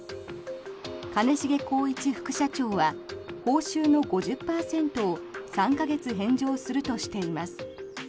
兼重宏一副社長は報酬の５０％を３か月返上するとしています。